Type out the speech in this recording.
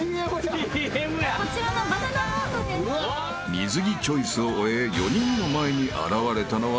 ［水着チョイスを終え４人の前に現れたのは］